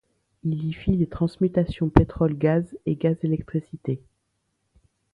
Il y fit les transmutations pétrole-gaz et gaz-électricité.